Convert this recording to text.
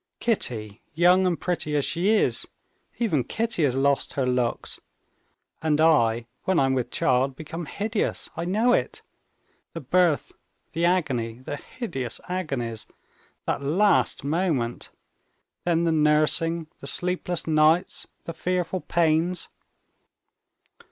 Kitty, young and pretty as she is, even Kitty has lost her looks; and I when I'm with child become hideous, I know it. The birth, the agony, the hideous agonies, that last moment ... then the nursing, the sleepless nights, the fearful pains...."